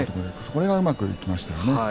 これが、うまくいきました。